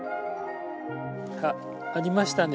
あっありましたね。